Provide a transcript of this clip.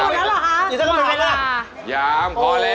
พอแล้วเหรอคะอยู่สักครั้งไหนล่ะ